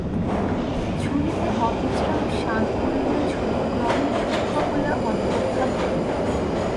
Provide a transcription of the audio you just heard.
ছুরিতে অবিশ্রাম শান পড়িলে ছুরি ক্রমেই সূক্ষ্ম হইয়া অন্তর্ধান করে।